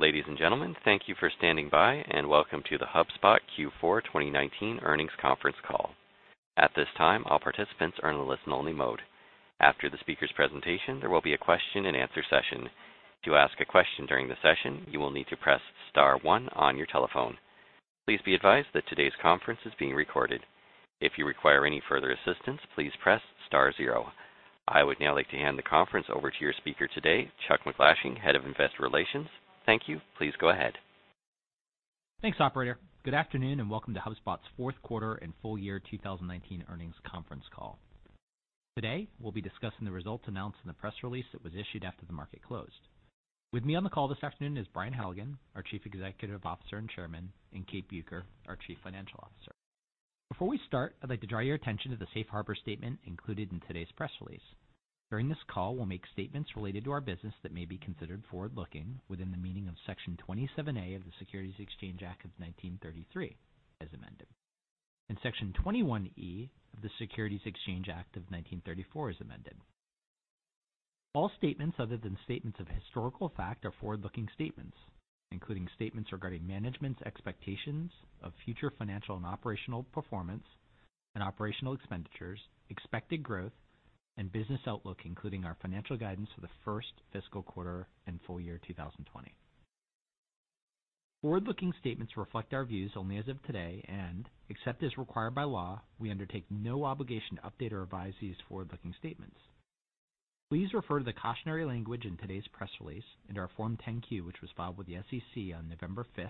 Ladies and gentlemen, thank you for standing by, and welcome to the HubSpot Q4 2019 earnings conference call. At this time, all participants are in a listen-only mode. After the speaker's presentation, there will be a question and answer session. To ask a question during the session, you will need to press star one on your telephone. Please be advised that today's conference is being recorded. If you require any further assistance, please press star zero. I would now like to hand the conference over to your speaker today, Chuck MacGlashing, Head of Investor Relations. Thank you. Please go ahead. Thanks, operator. Good afternoon. Welcome to HubSpot's fourth quarter and full year 2019 earnings conference call. Today, we'll be discussing the results announced in the press release that was issued after the market closed. With me on the call this afternoon is Brian Halligan, our Chief Executive Officer and Chairman, and Kate Bueker, our Chief Financial Officer. Before we start, I'd like to draw your attention to the safe harbor statement included in today's press release. During this call, we'll make statements related to our business that may be considered forward-looking within the meaning of Section 27A of the Securities Act of 1933, as amended, and Section 21E of the Securities Exchange Act of 1934 as amended. All statements other than statements of historical fact are forward-looking statements, including statements regarding management's expectations of future financial and operational performance and operational expenditures, expected growth, and business outlook, including our financial guidance for the first fiscal quarter and full year 2020. Forward-looking statements reflect our views only as of today, and except as required by law, we undertake no obligation to update or revise these forward-looking statements. Please refer to the cautionary language in today's press release and our Form 10-Q which was filed with the SEC on November 5,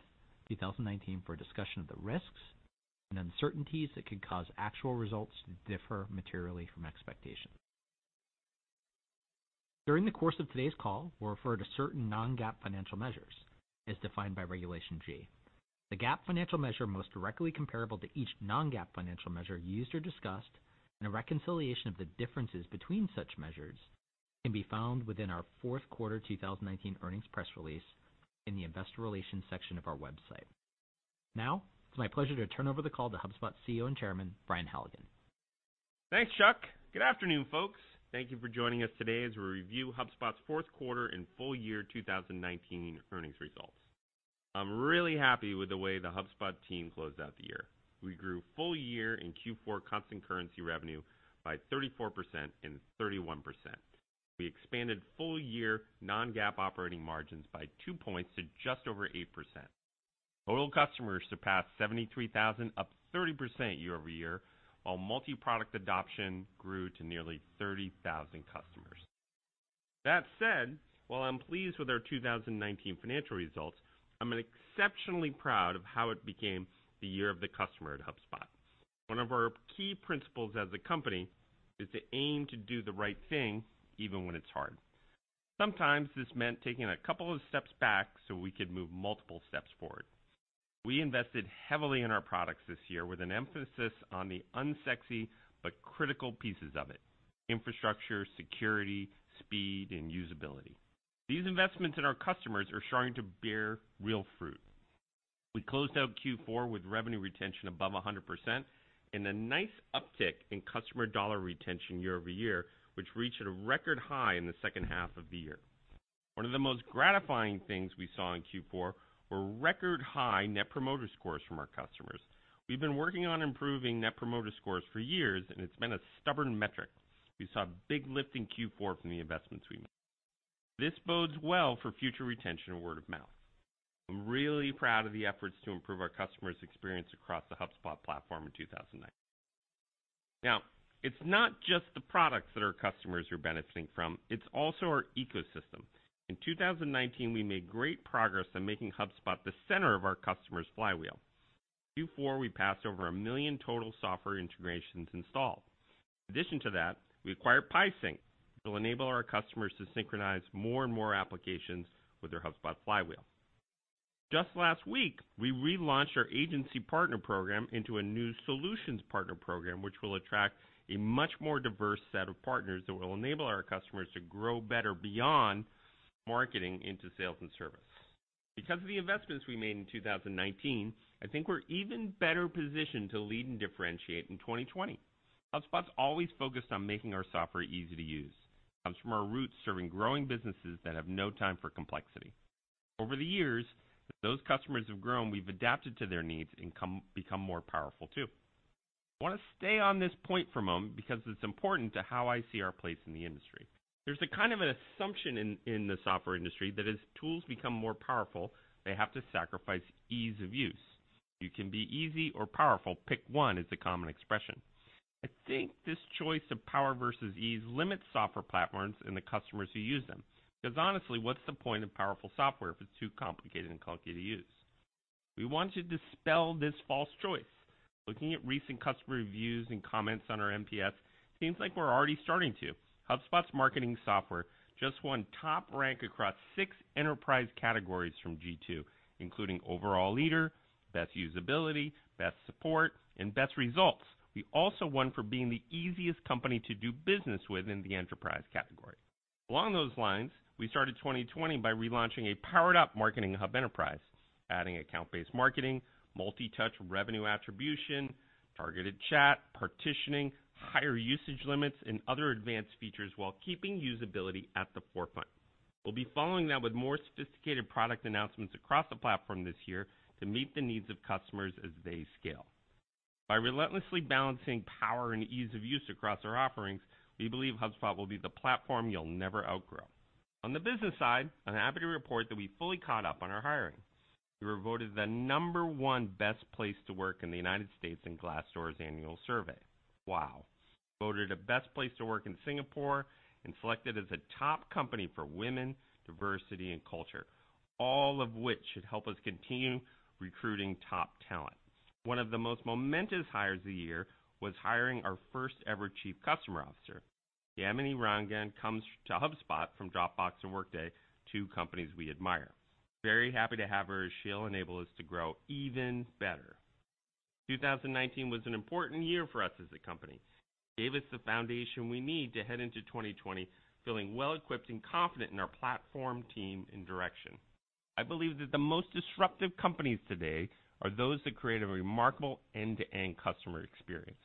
2019, for a discussion of the risks and uncertainties that could cause actual results to differ materially from expectations. During the course of today's call, we'll refer to certain non-GAAP financial measures as defined by Regulation G. The GAAP financial measure most directly comparable to each non-GAAP financial measure used or discussed, and a reconciliation of the differences between such measures can be found within our fourth quarter 2019 earnings press release in the investor relations section of our website. Now, it's my pleasure to turn over the call to HubSpot's CEO and Chairman, Brian Halligan. Thanks, Chuck. Good afternoon, folks. Thank you for joining us today as we review HubSpot's fourth quarter and full year 2019 earnings results. I'm really happy with the way the HubSpot team closed out the year. We grew full year and Q4 constant currency revenue by 34% and 31%. We expanded full year non-GAAP operating margins by two points to just over 8%. Total customers surpassed 73,000, up 30% year-over-year, while multi-product adoption grew to nearly 30,000 customers. That said, while I'm pleased with our 2019 financial results, I'm exceptionally proud of how it became the year of the customer at HubSpot. One of our key principles as a company is to aim to do the right thing, even when it's hard. Sometimes this meant taking a couple of steps back so we could move multiple steps forward. We invested heavily in our products this year with an emphasis on the unsexy but critical pieces of it, infrastructure, security, speed, and usability. These investments in our customers are starting to bear real fruit. We closed out Q4 with revenue retention above 100% and a nice uptick in customer dollar retention year-over-year, which reached at a record high in the second half of the year. One of the most gratifying things we saw in Q4 were record high Net Promoter Scores from our customers. We've been working on improving Net Promoter Scores for years, and it's been a stubborn metric. We saw a big lift in Q4 from the investments we made. This bodes well for future retention and word of mouth. I'm really proud of the efforts to improve our customer's experience across the HubSpot platform in 2019. It's not just the products that our customers are benefiting from, it's also our ecosystem. In 2019, we made great progress in making HubSpot the center of our customer's flywheel. Q4, we passed over a million total software integrations installed. In addition to that, we acquired PieSync, which will enable our customers to synchronize more and more applications with their HubSpot flywheel. Just last week, we relaunched our agency Partner Program into a new Solutions Partner Program, which will attract a much more diverse set of partners that will enable our customers to grow better beyond marketing into sales and service. Because of the investments we made in 2019, I think we're even better positioned to lead and differentiate in 2020. HubSpot's always focused on making our software easy to use. It comes from our roots serving growing businesses that have no time for complexity. Over the years that those customers have grown, we've adapted to their needs and become more powerful, too. I want to stay on this point for a moment because it's important to how I see our place in the industry. There's a kind of an assumption in the software industry that as tools become more powerful, they have to sacrifice ease of use. "You can be easy or powerful, pick one." is the common expression. I think this choice of power versus ease limits software platforms and the customers who use them. Honestly, what's the point of powerful software if it's too complicated and clunky to use? We want to dispel this false choice. Looking at recent customer reviews and comments on our NPS, seems like we're already starting to. HubSpot's marketing software just won top rank across six enterprise categories from G2, including overall leader, best usability, best support, and best results. We also won for being the easiest company to do business with in the enterprise category. Along those lines, we started 2020 by relaunching a powered-up Marketing Hub Enterprise, adding account-based marketing, multi-touch revenue attribution, targeted chat, partitioning, higher usage limits, and other advanced features while keeping usability at the forefront. We'll be following that with more sophisticated product announcements across the platform this year to meet the needs of customers as they scale. By relentlessly balancing power and ease of use across our offerings, we believe HubSpot will be the platform you'll never outgrow. On the business side, I'm happy to report that we fully caught up on our hiring. We were voted the number one best place to work in the U.S. in Glassdoor's annual survey. Wow. Voted the best place to work in Singapore and selected as a top company for women, diversity, and culture, all of which should help us continue recruiting top talent. One of the most momentous hires of the year was hiring our first ever Chief Customer Officer. Yamini Rangan comes to HubSpot from Dropbox and Workday, two companies we admire. Very happy to have her as she'll enable us to grow even better. 2019 was an important year for us as a company. It gave us the foundation we need to head into 2020 feeling well-equipped and confident in our platform, team, and direction. I believe that the most disruptive companies today are those that create a remarkable end-to-end customer experience.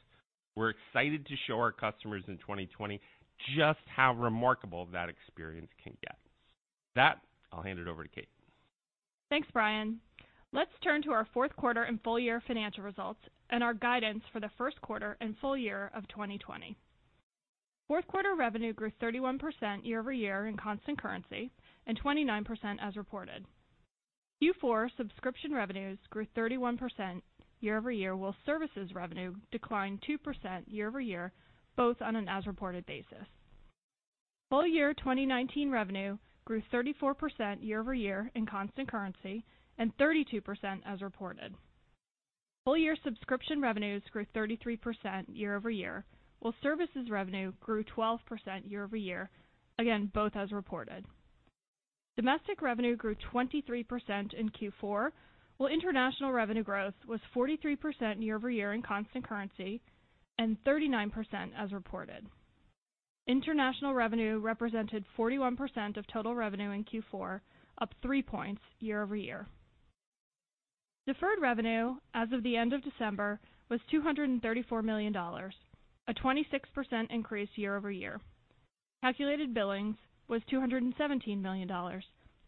We're excited to show our customers in 2020 just how remarkable that experience can get. With that, I'll hand it over to Kate. Thanks, Brian. Let's turn to our fourth quarter and full year financial results and our guidance for the first quarter and full year of 2020. Fourth quarter revenue grew 31% year-over-year in constant currency and 29% as reported. Q4 subscription revenues grew 31% year-over-year, while services revenue declined 2% year-over-year, both on an as-reported basis. Full year 2019 revenue grew 34% year-over-year in constant currency and 32% as reported. Full year subscription revenues grew 33% year-over-year, while services revenue grew 12% year-over-year, again, both as reported. Domestic revenue grew 23% in Q4, while international revenue growth was 43% year-over-year in constant currency and 39% as reported. International revenue represented 41% of total revenue in Q4, up three points year-over-year. Deferred revenue as of the end of December was $234 million, a 26% increase year-over-year. Calculated billings was $217 million,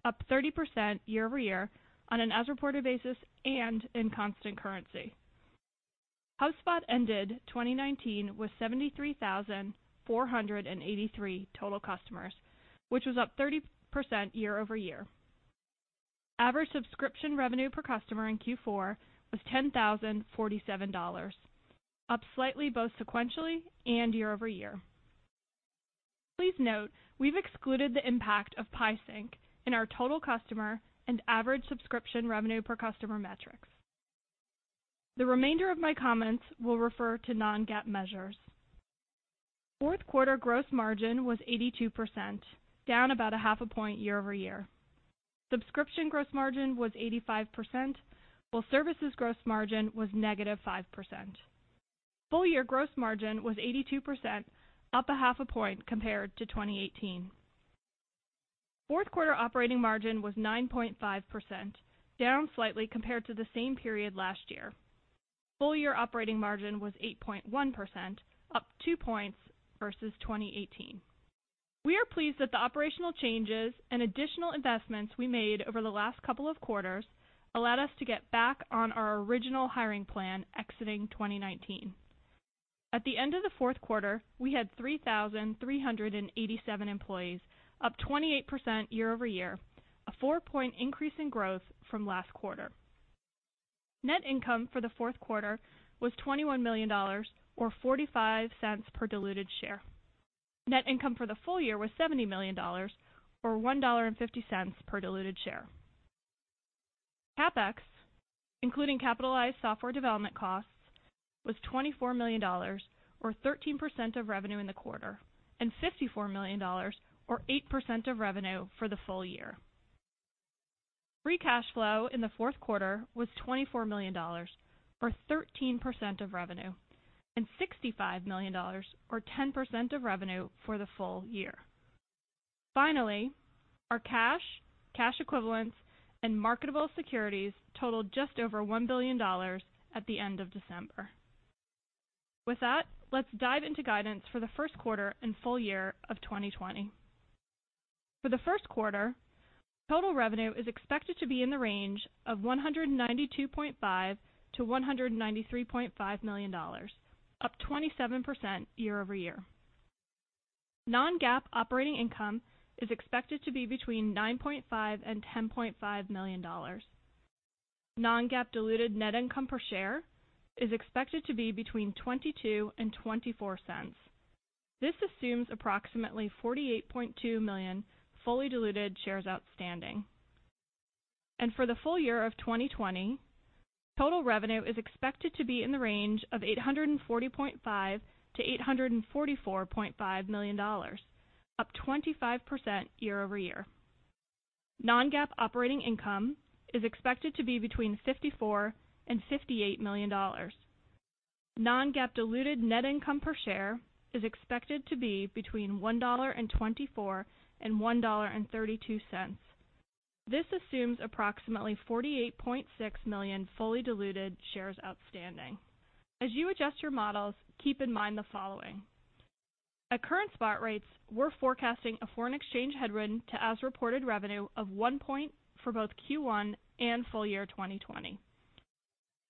up 30% year-over-year on an as-reported basis and in constant currency. HubSpot ended 2019 with 73,483 total customers, which was up 30% year-over-year. Average subscription revenue per customer in Q4 was $10,047, up slightly, both sequentially and year-over-year. Please note we've excluded the impact of PieSync in our total customer and average subscription revenue per customer metrics. The remainder of my comments will refer to non-GAAP measures. Fourth quarter gross margin was 82%, down about a half a point year-over-year. Subscription gross margin was 85%, while services gross margin was -5%. Full year gross margin was 82%, up a half a point compared to 2018. Fourth quarter operating margin was 9.5%, down slightly compared to the same period last year. Full year operating margin was 8.1%, up two points versus 2018. We are pleased that the operational changes and additional investments we made over the last couple of quarters allowed us to get back on our original hiring plan exiting 2019. At the end of the fourth quarter, we had 3,387 employees, up 28% year-over-year, a four-point increase in growth from last quarter. Net income for the fourth quarter was $21 million, or $0.45 per diluted share. Net income for the full year was $70 million, or $1.50 per diluted share. CapEx, including capitalized software development costs, was $24 million, or 13% of revenue in the quarter, and $54 million, or 8% of revenue, for the full year. Free cash flow in the fourth quarter was $24 million, or 13% of revenue, and $65 million, or 10% of revenue, for the full year. Finally, our cash equivalents, and marketable securities totaled just over $1 billion at the end of December. With that, let's dive into guidance for the first quarter and full year of 2020. For the first quarter, total revenue is expected to be in the range of $192.5 million-$193.5 million, up 27% year-over-year. Non-GAAP operating income is expected to be between $9.5 million and $10.5 million. Non-GAAP diluted net income per share is expected to be between $0.22 and $0.24. This assumes approximately 48.2 million fully diluted shares outstanding. For the full year of 2020, total revenue is expected to be in the range of $840.5 million-$844.5 million, up 25% year-over-year. Non-GAAP operating income is expected to be between $54 million and $58 million. Non-GAAP diluted net income per share is expected to be between $1.24 and $1.32. This assumes approximately 48.6 million fully diluted shares outstanding. As you adjust your models, keep in mind the following. At current spot rates, we're forecasting a foreign exchange headwind to as-reported revenue of one point for both Q1 and full year 2020.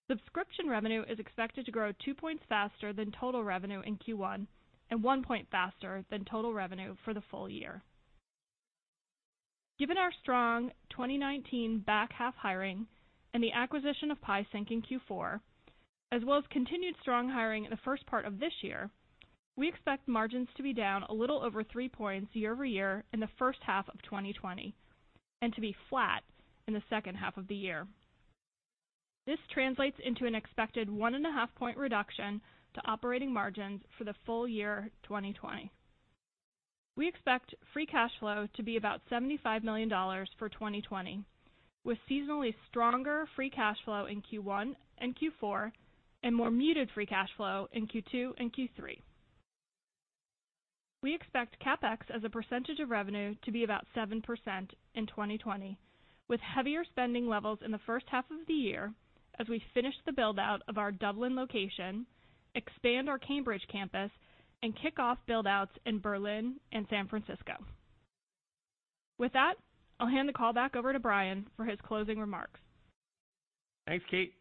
Subscription revenue is expected to grow two points faster than total revenue in Q1 and one point faster than total revenue for the full year. Given our strong 2019 back-half hiring and the acquisition of PieSync in Q4, as well as continued strong hiring in the first part of this year, we expect margins to be down a little over three points year-over-year in the first half of 2020, and to be flat in the second half of the year. This translates into an expected one and a half point reduction to operating margins for the full year 2020. We expect free cash flow to be about $75 million for 2020, with seasonally stronger free cash flow in Q1 and Q4, and more muted free cash flow in Q2 and Q3. We expect CapEx as a percentage of revenue to be about 7% in 2020, with heavier spending levels in the first half of the year as we finish the build-out of our Dublin location, expand our Cambridge campus, and kick off build-outs in Berlin and San Francisco. With that, I'll hand the call back over to Brian for his closing remarks. Thanks, Kate.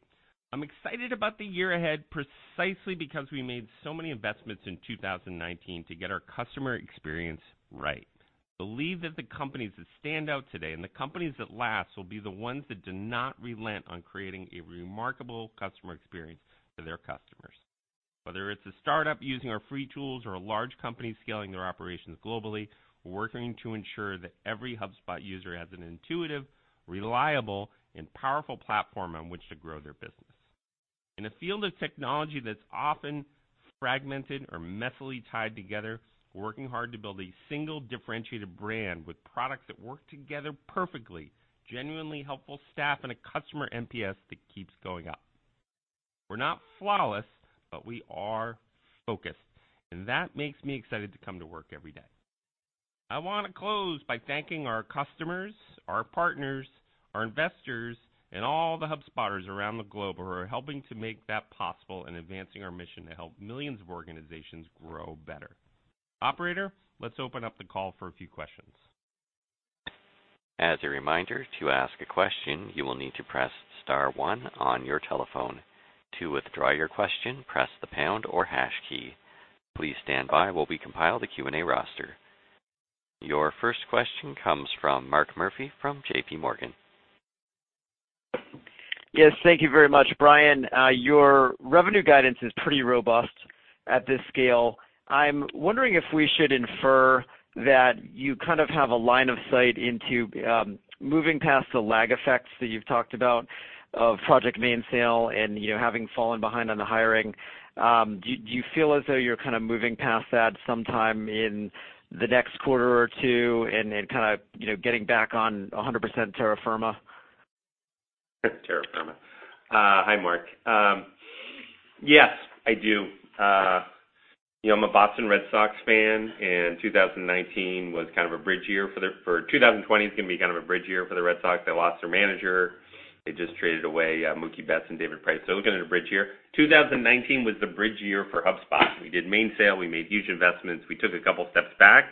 I'm excited about the year ahead precisely because we made so many investments in 2019 to get our customer experience right. I believe that the companies that stand out today and the companies that last will be the ones that do not relent on creating a remarkable customer experience for their customers. Whether it's a startup using our free tools or a large company scaling their operations globally, we're working to ensure that every HubSpot user has an intuitive, reliable, and powerful platform on which to grow their business. In a field of technology that's often fragmented or messily tied together, we're working hard to build a single differentiated brand with products that work together perfectly, genuinely helpful staff, and a customer NPS that keeps going up. We're not flawless, but we are focused, and that makes me excited to come to work every day. I want to close by thanking our customers, our partners, our investors, and all the HubSpotters around the globe who are helping to make that possible and advancing our mission to help millions of organizations grow better. Operator, let's open up the call for a few questions. As a reminder, to ask a question, you will need to press star one on your telephone. To withdraw your question, press the pound or hash key. Please stand by while we compile the Q&A roster. Your first question comes from Mark Murphy from JPMorgan. Yes, thank you very much. Brian, your revenue guidance is pretty robust at this scale. I'm wondering if we should infer that you kind of have a line of sight into moving past the lag effects that you've talked about of Project Mainsail and you having fallen behind on the hiring. Do you feel as though you're kind of moving past that sometime in the next quarter or two and kind of getting back on 100% terra firma? Terra firma. Hi, Mark. Yes, I do. I'm a Boston Red Sox fan, and 2019 was kind of a bridge year. 2020 is going to be kind of a bridge year for the Red Sox. They lost their manager. They just traded away Mookie Betts and David Price. We're going into a bridge year. 2019 was the bridge year for HubSpot. We did Mainsail, we made huge investments, we took a couple steps back,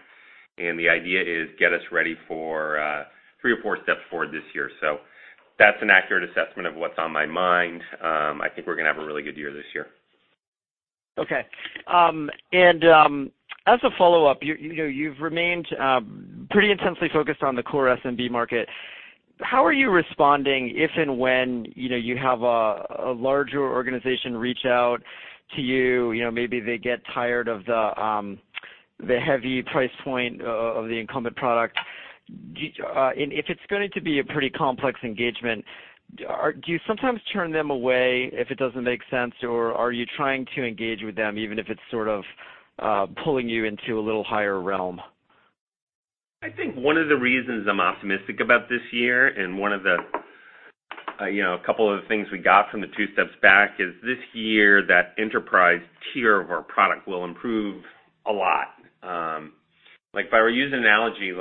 and the idea is get us ready for three or four steps forward this year. That's an accurate assessment of what's on my mind. I think we're going to have a really good year this year. Okay. As a follow-up, you've remained pretty intensely focused on the core SMB market. How are you responding if and when you have a larger organization reach out to you, maybe they get tired of the heavy price point of the incumbent product? If it's going to be a pretty complex engagement, do you sometimes turn them away if it doesn't make sense, or are you trying to engage with them even if it's sort of pulling you into a little higher realm? I think one of the reasons I'm optimistic about this year and a couple of the things we got from the two steps back is this year, that enterprise tier of our product will improve a lot. If I were to use an analogy,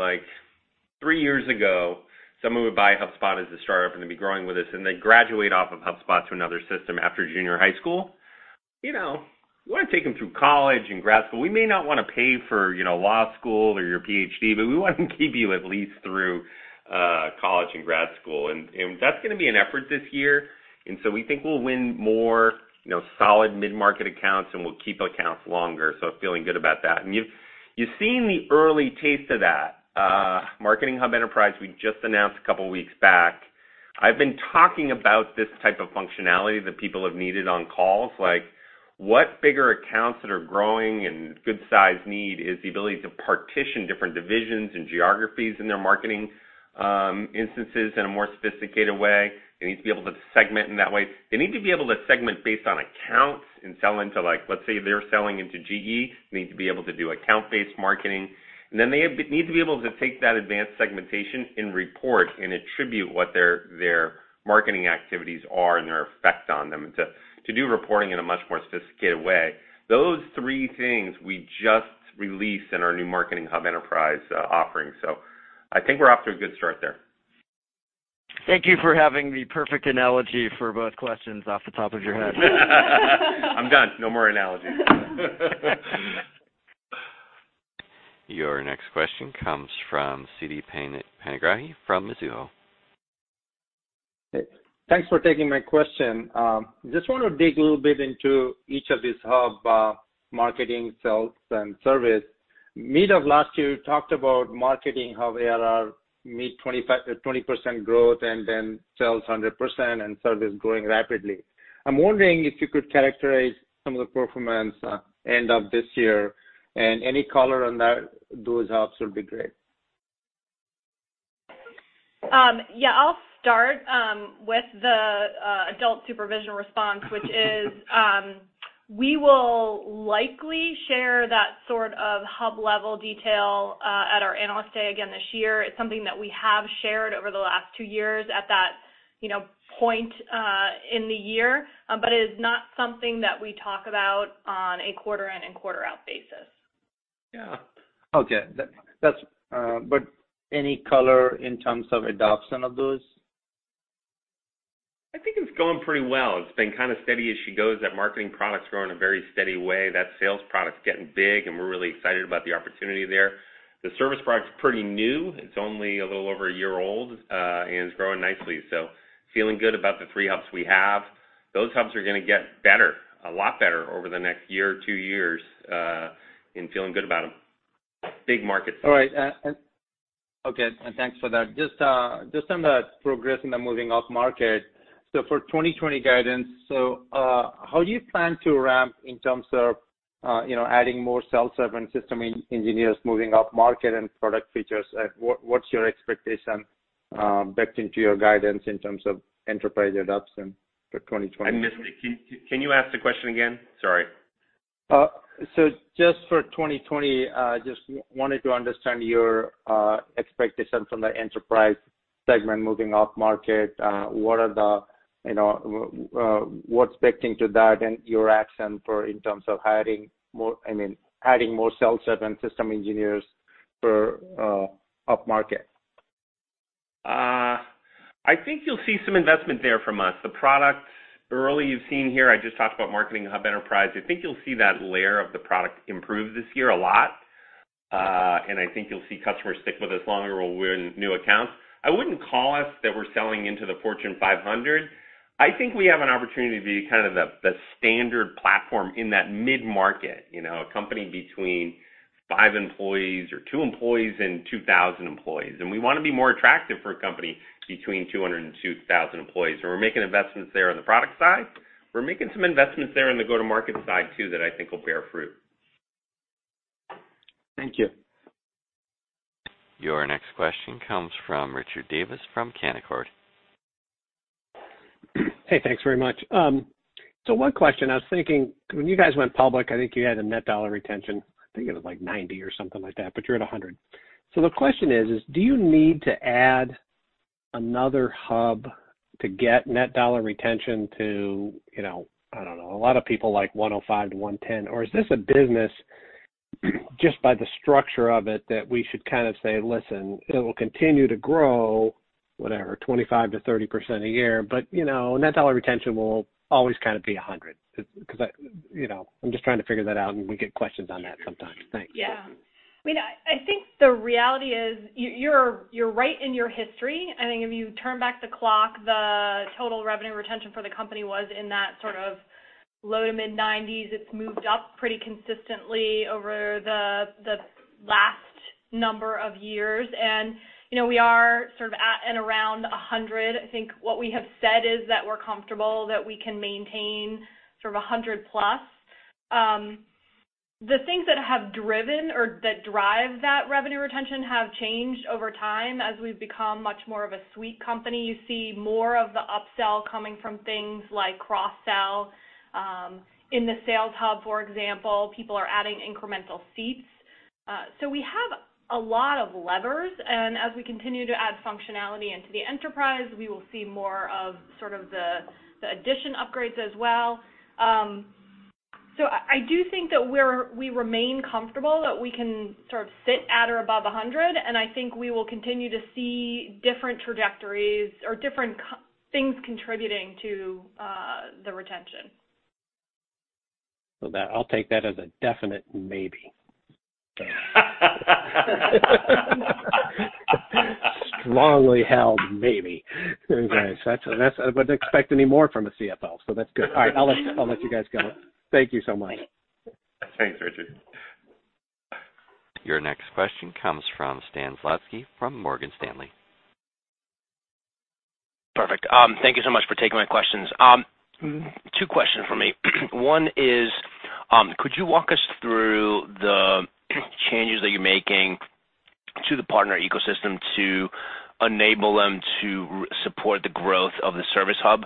three years ago, someone would buy HubSpot as a startup, and they'd be growing with us, and they'd graduate off of HubSpot to another system after junior high school. We want to take them through college and grad school. We may not want to pay for law school or your PhD, but we want to keep you at least through college and grad school. That's going to be an effort this year, and so we think we'll win more solid mid-market accounts, and we'll keep accounts longer, so feeling good about that. You've seen the early taste of that. Marketing Hub Enterprise, we just announced a couple of weeks back. I've been talking about this type of functionality that people have needed on calls, like what bigger accounts that are growing and good size need is the ability to partition different divisions and geographies in their marketing instances in a more sophisticated way. They need to be able to segment in that way. They need to be able to segment based on accounts and sell into, let's say, they're selling into GE, they need to be able to do account-based marketing. They need to be able to take that advanced segmentation and report and attribute what their marketing activities are and their effect on them, and to do reporting in a much more sophisticated way. Those three things we just released in our new Marketing Hub Enterprise offering. I think we're off to a good start there. Thank you for having the perfect analogy for both questions off the top of your head. I'm done. No more analogies. Your next question comes from Siti Panigrahi from Mizuho. Hey, thanks for taking my question. Just want to dig a little bit into each of these Hubs, Marketing, Sales, and Service. Mid-last year, you talked about Marketing, how they are our mid-20% growth, and then Sales 100% and Service growing rapidly. I'm wondering if you could characterize some of the performance, end of this year, and any color on those Hubs would be great? Yeah, I'll start with the adult supervision response, which is, we will likely share that sort of hub-level detail at our Analyst Day again this year. It's something that we have shared over the last two years at that point in the year, it is not something that we talk about on a quarter in and quarter out basis. Yeah. Okay. Any color in terms of adoption of those? I think it's going pretty well. It's been kind of steady as she goes. That Marketing Hub's growing a very steady way. That Sales Hub's getting big, and we're really excited about the opportunity there. The Service Hub's pretty new. It's only a little over a year old, and it's growing nicely. Feeling good about the three hubs we have. Those hubs are going to get better, a lot better, over the next year or two years. Feeling good about them. Big market. All right. Okay, thanks for that. Just on the progress in the moving upmarket, for 2020 guidance, how do you plan to ramp in terms of adding more sales, service and system engineers moving upmarket and product features? What's your expectation, backed into your guidance in terms of enterprise adoption for 2020? I missed it. Can you ask the question again? Sorry. Just for 2020, just wanted to understand your expectation from the enterprise segment moving upmarket. What's baked into that and your action in terms of adding more cell server and system engineers for upmarket? I think you'll see some investment there from us. The products, earlier you've seen here, I just talked about Marketing Hub Enterprise. I think you'll see that layer of the product improve this year a lot. I think you'll see customers stick with us longer or win new accounts. I wouldn't call us that we're selling into the Fortune 500. I think we have an opportunity to be kind of the standard platform in that mid-market, a company between five employees or two employees and 2,000 employees. We want to be more attractive for a company between 200 and 2,000 employees. We're making investments there on the product side. We're making some investments there on the go-to-market side, too, that I think will bear fruit. Thank you. Your next question comes from Richard Davis from Canaccord. Hey. Thanks very much. One question. I was thinking, when you guys went public, I think you had a net dollar retention, I think it was like 90 or something like that, but you're at 100. The question is, do you need to add another hub to get net dollar retention to, I don't know, a lot of people like 105-110? Is this a business, just by the structure of it, that we should kind of say, "Listen, it will continue to grow, whatever, 25%-30% a year, but net dollar retention will always kind of be 100?" I'm just trying to figure that out, and we get questions on that sometimes. Thanks. I think the reality is, you're right in your history. I think if you turn back the clock, the total revenue retention for the company was in that sort of low to mid-90s. It's moved up pretty consistently over the last number of years. We are sort of at and around 100. I think what we have said is that we're comfortable that we can maintain sort of 100+. The things that have driven or that drive that revenue retention have changed over time. As we've become much more of a suite company, you see more of the upsell coming from things like cross-sell. In the Sales Hub, for example, people are adding incremental seats. We have a lot of levers, and as we continue to add functionality into the enterprise, we will see more of sort of the addition upgrades as well. I do think that we remain comfortable that we can sort of sit at or above 100, and I think we will continue to see different trajectories or different things contributing to the retention. I'll take that as a definite maybe. Strongly held maybe. Anyways, I wouldn't expect any more from a CFO, so that's good. All right, I'll let you guys go. Thank you so much. Thanks, Richard. Your next question comes from Stan Zlotsky from Morgan Stanley. Perfect. Thank you so much for taking my questions. Two questions from me. One is, could you walk us through the changes that you're making to the partner ecosystem to enable them to support the growth of the Service Hub?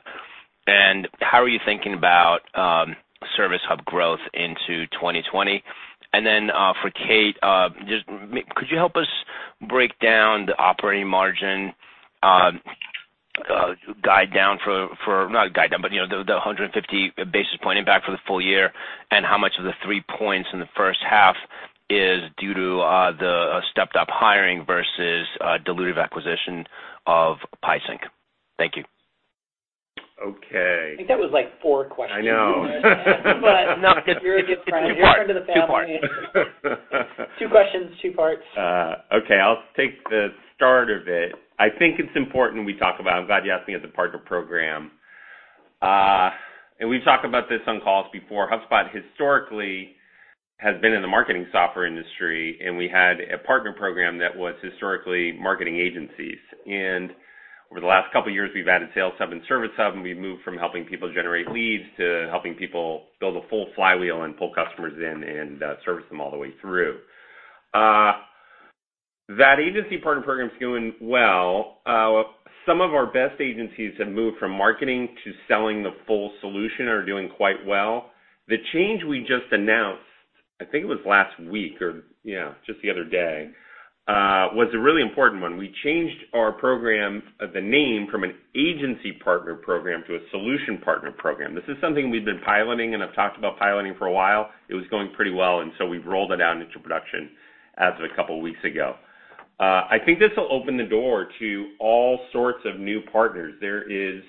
How are you thinking about Service Hub growth into 2020? For Kate, could you help us break down the operating margin guide down for, not guide down, but the 150 basis points impact for the full year, and how much of the three points in the first half is due to the stepped-up hiring versus dilutive acquisition of PieSync? Thank you. Okay. I think that was four questions. I know. No, you're a good friend. Two-part. You're a friend of the family. Two questions, two parts. Okay, I'll take the start of it. I think it's important we talk about, I'm glad you asked me, as a Partner Program. We've talked about this on calls before. HubSpot historically has been in the marketing software industry, and we had a Partner Program that was historically marketing agencies. Over the last couple of years, we've added Sales Hub and Service Hub, and we've moved from helping people generate leads to helping people build a full flywheel and pull customers in and service them all the way through. That agency Partner Program's going well. Some of our best agencies have moved from marketing to selling the full solution, are doing quite well. The change we just announced, I think it was last week or, yeah, just the other day, was a really important one. We changed our program, the name, from an agency Partner Program to a Solution Partner Program. This is something we've been piloting and have talked about piloting for a while. It was going pretty well, and so we've rolled it out into production as of a couple of weeks ago. I think this will open the door to all sorts of new partners. There is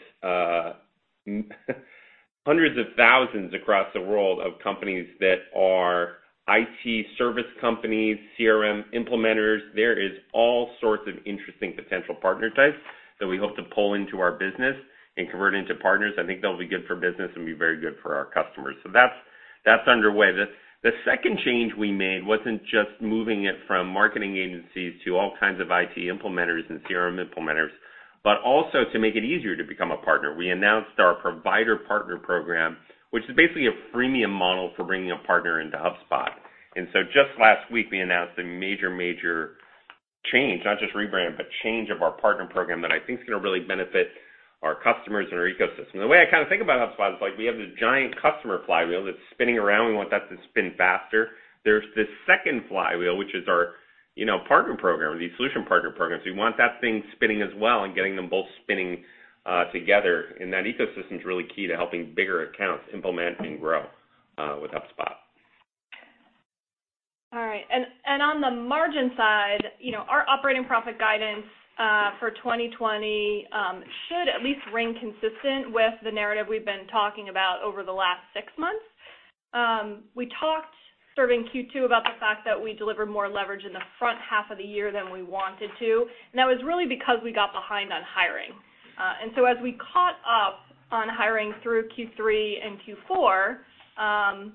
hundreds of thousands across the world of companies that are IT service companies, CRM implementers. There is all sorts of interesting potential partner types that we hope to pull into our business and convert into partners. I think they'll be good for business and be very good for our customers. That's underway. The second change we made wasn't just moving it from marketing agencies to all kinds of IT implementers and CRM implementers, but also to make it easier to become a partner. We announced our Provider Partner Program, which is basically a freemium model for bringing a partner into HubSpot. Just last week, we announced a major change, not just rebrand, but change of our Partner Program that I think is going to really benefit our customers and our ecosystem. The way I think about HubSpot is like we have this giant customer flywheel that's spinning around. We want that to spin faster. There's this second flywheel, which is our Partner Program, the Solution Partner Program, so we want that thing spinning as well and getting them both spinning together. That ecosystem's really key to helping bigger accounts implement and grow with HubSpot. All right. On the margin side, our operating profit guidance for 2020 should at least ring consistent with the narrative we've been talking about over the last six months. We talked, starting Q2, about the fact that we delivered more leverage in the front half of the year than we wanted to, and that was really because we got behind on hiring. As we caught up on hiring through Q3 and Q4,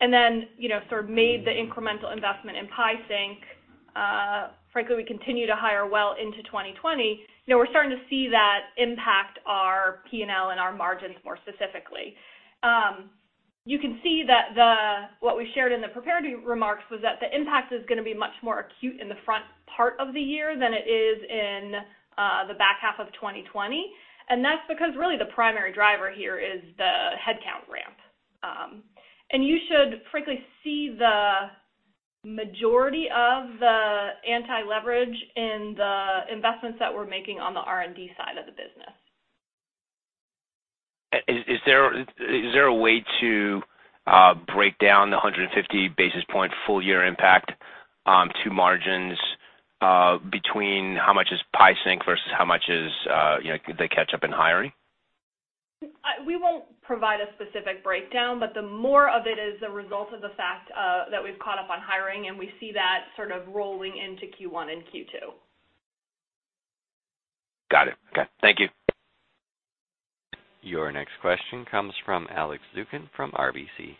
then sort of made the incremental investment in PieSync, frankly, we continue to hire well into 2020. We're starting to see that impact our P&L and our margins more specifically. You can see that what we shared in the prepared remarks was that the impact is going to be much more acute in the front part of the year than it is in the back half of 2020. That's because really the primary driver here is the headcount ramp. You should frankly see the majority of the anti-leverage in the investments that we're making on the R&D side of the business. Is there a way to break down the 150 basis point full-year impact to margins between how much is PieSync versus how much is the catch-up in hiring? We won't provide a specific breakdown, but the more of it is a result of the fact that we've caught up on hiring, and we see that sort of rolling into Q1 and Q2. Got it. Okay. Thank you. Your next question comes from Alex Zukin from RBC.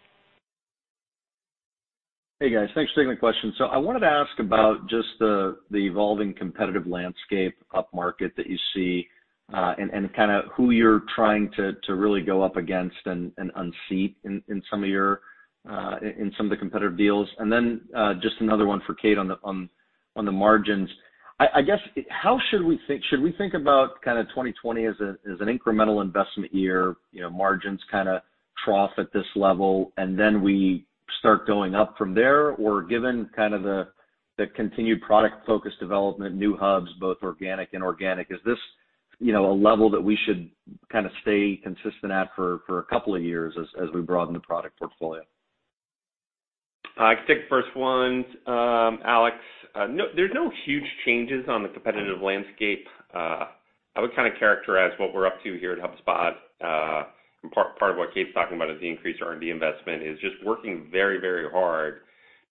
Hey, guys. Thanks for taking the question. I wanted to ask about just the evolving competitive landscape upmarket that you see, and kind of who you're trying to really go up against and unseat in some of the competitive deals. Just another one for Kate on the margins. I guess, should we think about 2020 as an incremental investment year, margins kind of trough at this level, and then we start going up from there? Given kind of the continued product-focused development, new hubs, both organic and organic, is this a level that we should kind of stay consistent at for a couple of years as we broaden the product portfolio? I can take the first one, Alex. There's no huge changes on the competitive landscape. I would characterize what we're up to here at HubSpot, and part of what Kate's talking about is the increased R&D investment, is just working very hard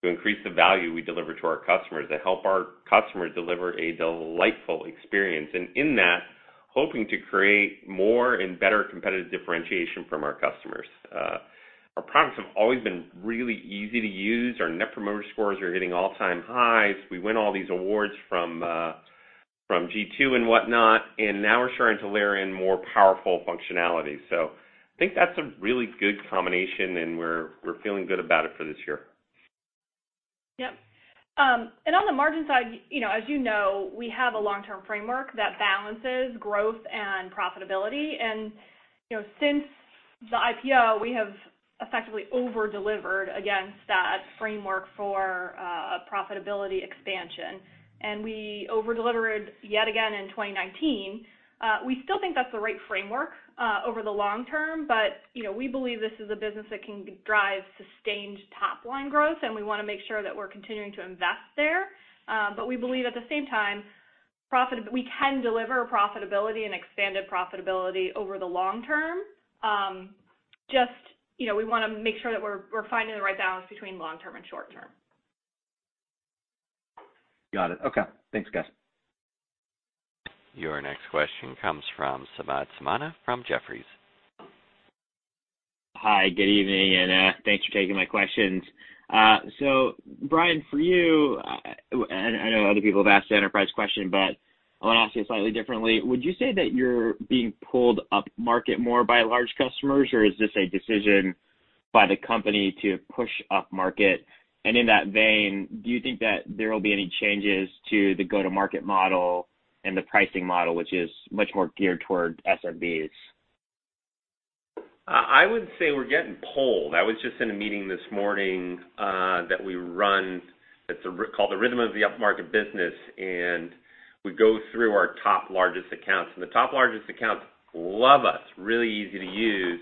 to increase the value we deliver to our customers, to help our customers deliver a delightful experience. In that, hoping to create more and better competitive differentiation from our customers. Our products have always been really easy to use. Our Net Promoter Scores are hitting all-time highs. We win all these awards from G2 and whatnot, and now we're starting to layer in more powerful functionality. I think that's a really good combination, and we're feeling good about it for this year. Yep. On the margin side, as you know, we have a long-term framework that balances growth and profitability. Since the IPO, we have effectively over-delivered against that framework for profitability expansion, and we over-delivered yet again in 2019. We still think that's the right framework over the long term, but we believe this is a business that can drive sustained top-line growth, and we want to make sure that we're continuing to invest there. We believe, at the same time, we can deliver profitability and expanded profitability over the long term. Just, we want to make sure that we're finding the right balance between long term and short term. Got it. Okay. Thanks, guys. Your next question comes from Samad Samana from Jefferies. Hi, good evening, and thanks for taking my questions. Brian, for you, and I know other people have asked the enterprise question, but I want to ask you slightly differently. Would you say that you're being pulled up market more by large customers, or is this a decision by the company to push up market? And in that vein, do you think that there will be any changes to the go-to-market model and the pricing model, which is much more geared toward SMBs? I would say we're getting pulled. I was just in a meeting this morning, that we run, it's called the Rhythm of the Up Market Business. We go through our top largest accounts. The top largest accounts love us. Really easy to use.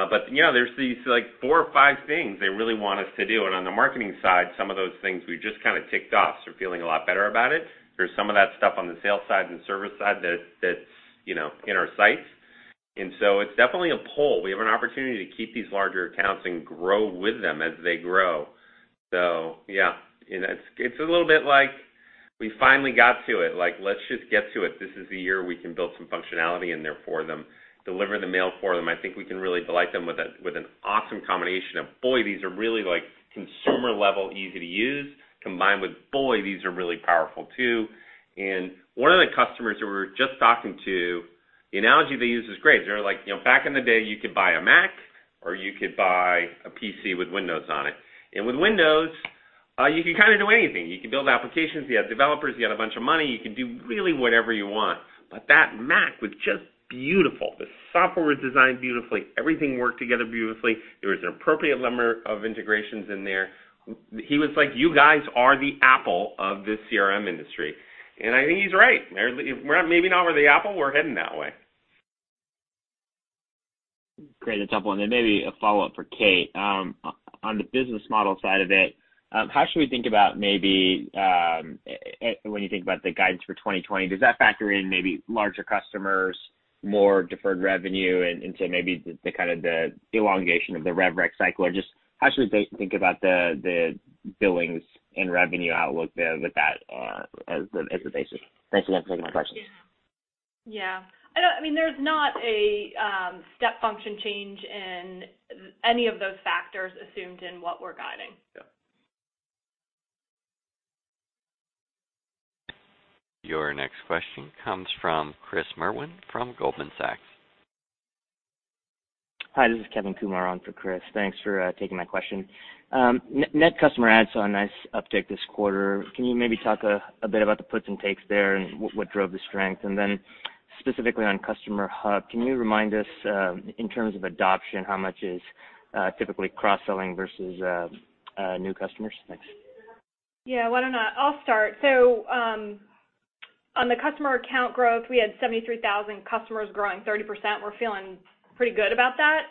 There's these four or five things they really want us to do. On the marketing side, some of those things we've just kind of ticked off. We're feeling a lot better about it. There's some of that stuff on the sales side and service side that's in our sights. It's definitely a pull. We have an opportunity to keep these larger accounts and grow with them as they grow. Yeah, it's a little bit like we finally got to it, like let's just get to it. This is the year we can build some functionality in there for them, deliver the mail for them. I think we can really delight them with an awesome combination of, boy, these are really consumer-level easy to use, combined with, boy, these are really powerful, too. One of the customers that we were just talking to, the analogy they used is great. They're like, "Back in the day, you could buy a Mac, or you could buy a PC with Windows on it. With Windows, you could kind of do anything. You could build applications. You had developers. You had a bunch of money. You could do really whatever you want. That Mac was just beautiful. The software was designed beautifully. Everything worked together beautifully. There was an appropriate number of integrations in there." He was like, "You guys are the Apple of this CRM industry." I think he's right. Maybe we're not the Apple. We're heading that way. Great. Maybe a follow-up for Kate. On the business model side of it, how should we think about maybe, when you think about the guidance for 2020, does that factor in maybe larger customers, more deferred revenue, and into maybe the elongation of the rev rec cycle? Just how should we think about the billings and revenue outlook there with that as the basis? Thanks again for taking my questions. Yeah. There's not a step function change in any of those factors assumed in what we're guiding. Yeah. Your next question comes from Chris Merwin from Goldman Sachs. Hi, this is Kevin Kumar on for Chris. Thanks for taking my question. Net customer adds saw a nice uptick this quarter. Can you maybe talk a bit about the puts and takes there and what drove the strength? Then specifically on Customer Hub, can you remind us, in terms of adoption, how much is typically cross-selling versus new customers? Thanks. Yeah, why don't I'll start. On the customer account growth, we had 73,000 customers growing 30%. We're feeling pretty good about that.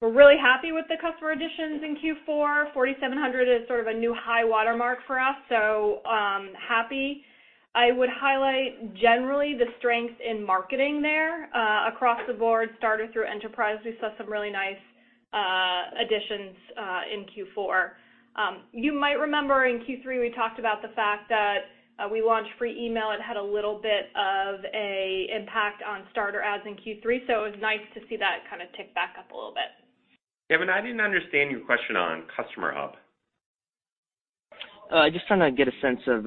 We're really happy with the customer additions in Q4. 4,700 is sort of a new high watermark for us, so I'm happy. I would highlight generally the strength in marketing there. Across the board, Starter through Enterprise, we saw some really nice additions in Q4. You might remember in Q3, we talked about the fact that we launched free email. It had a little bit of a impact on Starter adds in Q3, so it was nice to see that kind of tick back up a little bit. Kevin, I didn't understand your question on Customer Hub. Just trying to get a sense of,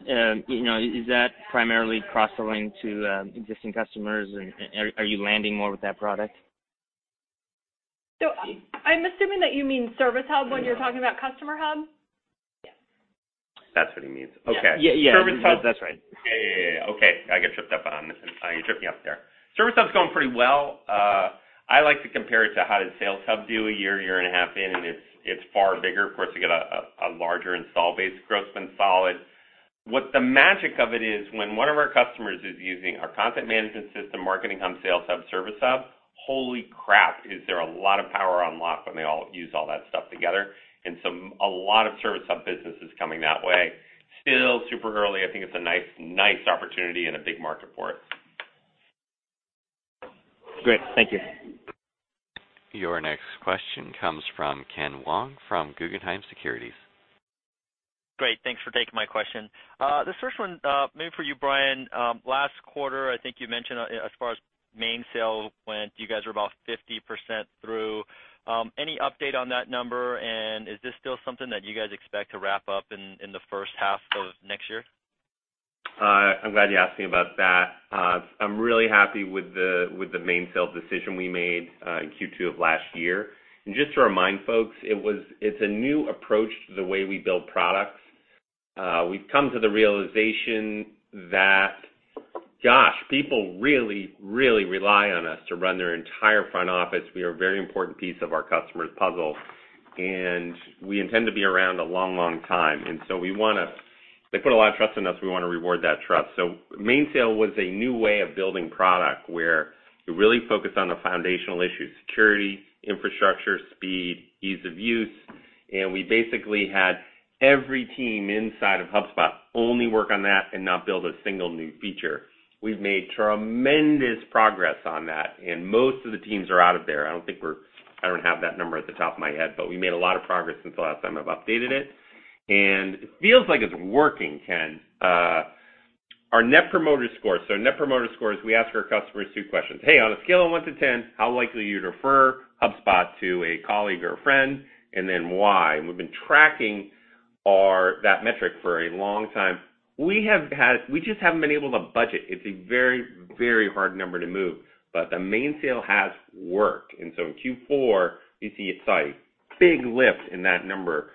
is that primarily cross-selling to existing customers, and are you landing more with that product? I'm assuming that you mean Service Hub when you're talking about Customer Hub? Yes. That's what he means. Okay. Yeah. Service Hub. That's right. Yeah. Okay. You tripped me up there. Service Hub's going pretty well. I like to compare it to how did Sales Hub do a year and a half in, it's far bigger. Of course, you got a larger install base. Growth's been solid. What the magic of it is, when one of our customers is using our content management system, Marketing Hub, Sales Hub, Service Hub, holy crap, is there a lot of power unlocked when they all use all that stuff together. A lot of Service Hub business is coming that way. Still super early. I think it's a nice opportunity and a big market for it. Great. Thank you. Your next question comes from Ken Wong from Guggenheim Securities. Great. Thanks for taking my question. This first one, maybe for you, Brian. Last quarter, I think you mentioned, as far as Mainsail went, you guys were about 50% through. Any update on that number, and is this still something that you guys expect to wrap up in the first half of next year? I'm glad you asked me about that. I'm really happy with the Mainsail decision we made in Q2 of last year. Just to remind folks, it's a new approach to the way we build products. We've come to the realization that. Gosh, people really rely on us to run their entire front office. We are a very important piece of our customers' puzzle, and we intend to be around a long time. They put a lot of trust in us, we want to reward that trust. Mainsail was a new way of building product, where you really focus on the foundational issues, security, infrastructure, speed, ease of use, and we basically had every team inside of HubSpot only work on that and not build a single new feature. We've made tremendous progress on that, and most of the teams are out of there. I don't have that number at the top of my head, but we made a lot of progress since the last time I've updated it, and it feels like it's working, Ken. Our Net Promoter Scores. We ask our customers two questions, "Hey, on a scale of one to 10, how likely are you to refer HubSpot to a colleague or a friend?" Then, "Why?" We've been tracking that metric for a long time. We just haven't been able to budget. It's a very hard number to move, but the Mainsail has worked. In Q4, you see a big lift in that number.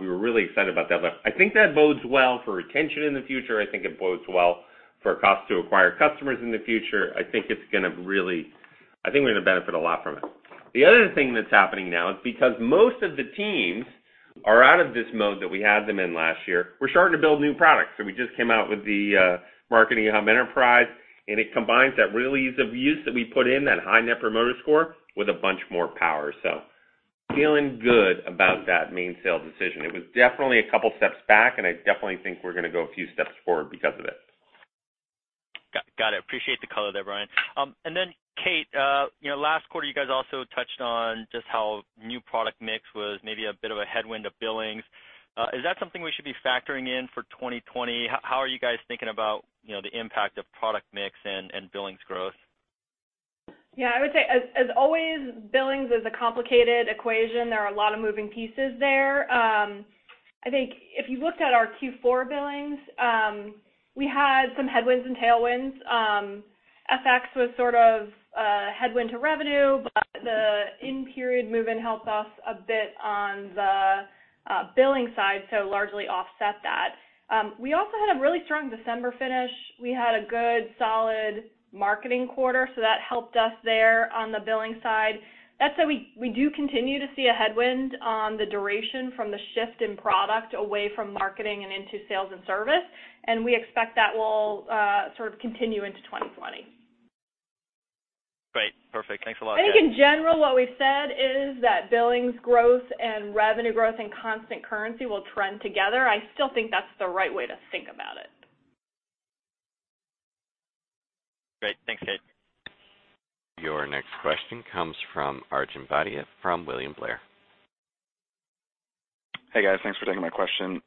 We were really excited about that lift. I think that bodes well for retention in the future. I think it bodes well for cost to acquire customers in the future. I think we're going to benefit a lot from it. The other thing that's happening now is because most of the teams are out of this mode that we had them in last year, we're starting to build new products. We just came out with the Marketing Hub Enterprise, and it combines that really ease of use that we put in, that high Net Promoter Score, with a bunch more power. Feeling good about that Mainsail decision. It was definitely a couple steps back, and I definitely think we're going to go a few steps forward because of it. Got it. Appreciate the color there, Brian. Kate, last quarter you guys also touched on just how new product mix was maybe a bit of a headwind of billings. Is that something we should be factoring in for 2020? How are you guys thinking about the impact of product mix and billings growth? Yeah, I would say, as always, billings is a complicated equation. There are a lot of moving pieces there. I think if you looked at our Q4 billings, we had some headwinds and tailwinds. FX was sort of a headwind to revenue, but the in-period move-in helped us a bit on the billing side, so largely offset that. We also had a really strong December finish. We had a good, solid marketing quarter, so that helped us there on the billing side. That said, we do continue to see a headwind on the duration from the shift in product away from marketing and into sales and service, and we expect that will sort of continue into 2020. Great. Perfect. Thanks a lot, Kate. I think in general, what we've said is that billings growth and revenue growth and constant currency will trend together. I still think that's the right way to think about it. Great. Thanks, Kate. Your next question comes from Arjun Bhatia from William Blair. Hey, guys. Thanks for taking my question.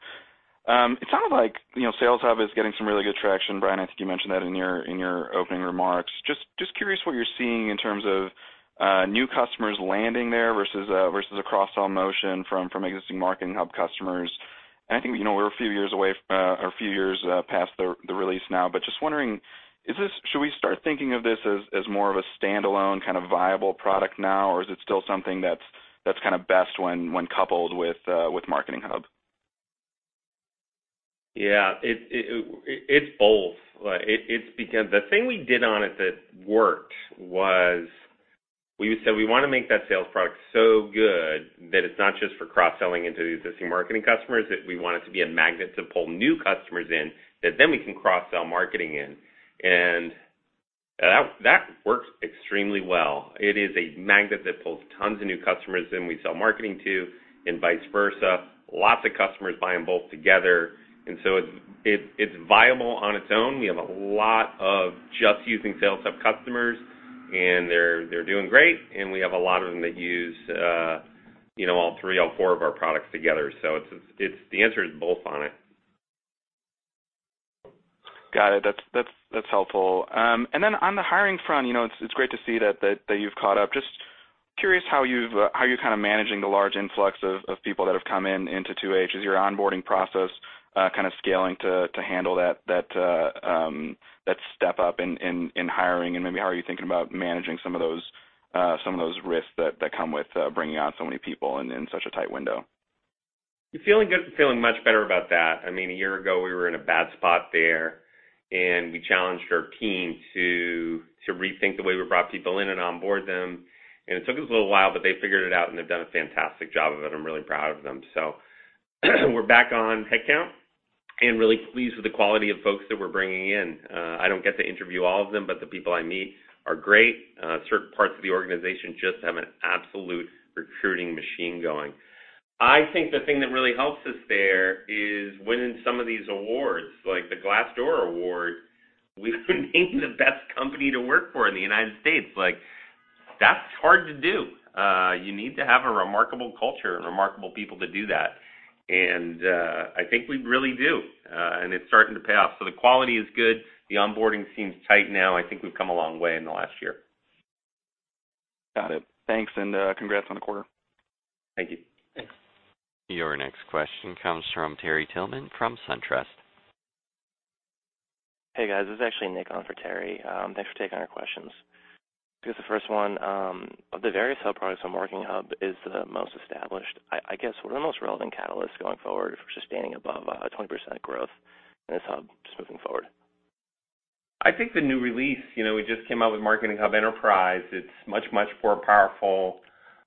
It sounded like Sales Hub is getting some really good traction, Brian, I think you mentioned that in your opening remarks. Just curious what you're seeing in terms of new customers landing there versus a cross-sell motion from existing Marketing Hub customers. I think we're a few years past the release now, but just wondering, should we start thinking of this as more of a standalone kind of viable product now, or is it still something that's kind of best when coupled with Marketing Hub? Yeah. It's both. The thing we did on it that worked was we said we want to make that Sales Hub so good that it's not just for cross-selling into the existing Marketing Hub customers, that we want it to be a magnet to pull new customers in, that then we can cross-sell Marketing Hub in. That works extremely well. It is a magnet that pulls tons of new customers in. We sell Marketing Hub to, and vice versa. Lots of customers buying both together. It's viable on its own. We have a lot of just using Sales Hub customers, and they're doing great, and we have a lot of them that use all three, all four of our products together. The answer is both on it. Got it. That's helpful. On the hiring front, it's great to see that you've caught up. Just curious how you're kind of managing the large influx of people that have come into 2H? Is your onboarding process kind of scaling to handle that step up in hiring? Maybe how are you thinking about managing some of those risks that come with bringing on so many people in such a tight window? Feeling much better about that. A year ago, we were in a bad spot there. We challenged our team to rethink the way we brought people in and onboard them. It took us a little while, but they figured it out. They've done a fantastic job of it. I'm really proud of them. We're back on headcount and really pleased with the quality of folks that we're bringing in. I don't get to interview all of them, but the people I meet are great. Certain parts of the organization just have an absolute recruiting machine going. I think the thing that really helps us there is winning some of these awards, like the Glassdoor award. We were named the best company to work for in the United States. That's hard to do. You need to have a remarkable culture and remarkable people to do that. I think we really do. It's starting to pay off. The quality is good. The onboarding seems tight now. I think we've come a long way in the last year. Got it. Thanks. Congrats on the quarter. Thank you. Your next question comes from Terry Tillman from SunTrust. Hey, guys. This is actually Nick on for Terry. Thanks for taking our questions. Because the first one, of the various hub products, the Marketing Hub is the most established. I guess, what are the most relevant catalysts going forward for sustaining above a 20% growth in this hub, just moving forward? I think the new release, we just came out with Marketing Hub Enterprise. It's much more powerful.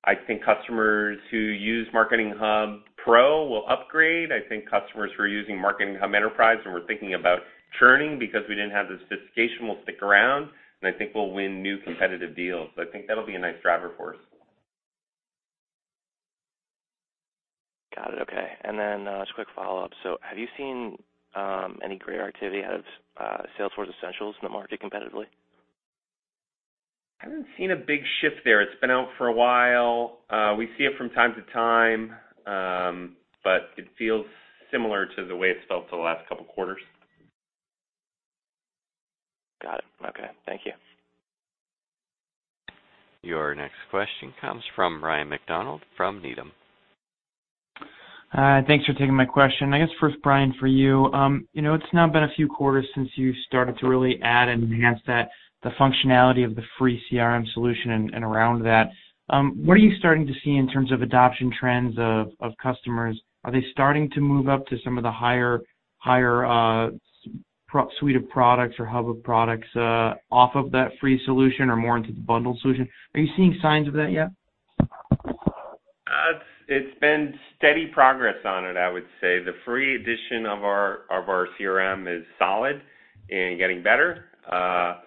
I think customers who use Marketing Hub Pro will upgrade. I think customers who are using Marketing Hub Enterprise and were thinking about churning because we didn't have the sophistication, will stick around, and I think we'll win new competitive deals. I think that'll be a nice driver for us. Got it. Okay. Just a quick follow-up. Have you seen any greater activity out of Salesforce Essentials in the market competitively? Haven't seen a big shift there. It's been out for a while. We see it from time to time, but it feels similar to the way it's felt for the last couple of quarters. Got it. Okay. Thank you. Your next question comes from Ryan MacDonald from Needham. Thanks for taking my question. I guess first, Brian, for you, it's now been a few quarters since you started to really add and enhance the functionality of the free CRM solution and around that. What are you starting to see in terms of adoption trends of customers? Are they starting to move up to some of the higher suite of products or Hub of products off of that free solution or more into the bundled solution? Are you seeing signs of that yet? It's been steady progress on it, I would say. The free edition of our CRM is solid and getting better. Our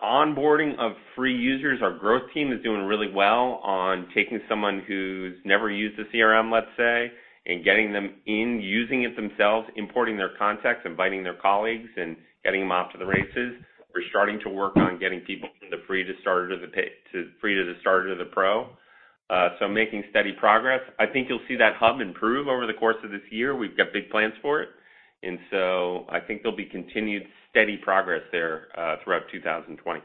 onboarding of free users, our growth team is doing really well on taking someone who's never used a CRM, let's say, and getting them in, using it themselves, importing their contacts, inviting their colleagues, and getting them off to the races. We're starting to work on getting people from the free to the starter to the pro. Making steady progress. I think you'll see that hub improve over the course of this year. We've got big plans for it, I think there'll be continued steady progress there, throughout 2020.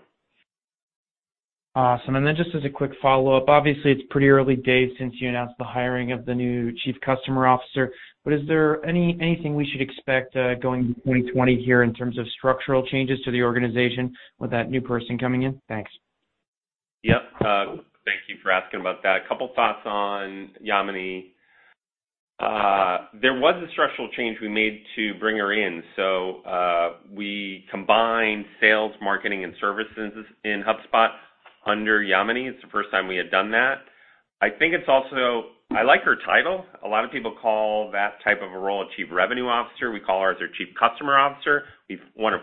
Awesome. Just as a quick follow-up, obviously it's pretty early days since you announced the hiring of the new Chief Customer Officer, but is there anything we should expect, going into 2020 here in terms of structural changes to the organization with that new person coming in? Thanks. Yep. Thank you for asking about that. A couple thoughts on Yamini. There was a structural change we made to bring her in. We combined sales, marketing, and services in HubSpot under Yamini. It's the first time we had done that. I like her title. A lot of people call that type of role a chief revenue officer. We call ours our Chief Customer Officer. We want